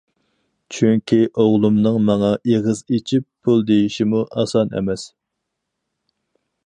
چۈنكى ئوغلۇمنىڭ ماڭا ئېغىز ئېچىپ‹‹ پۇل›› دېيىشىمۇ ئاسان ئەمەس.